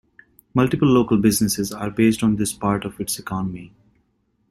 Multiple local businesses are based on this part of its economy.